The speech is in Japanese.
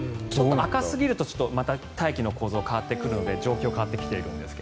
赤すぎると大気の構造が変わってくるので状況が変わってきているんですが。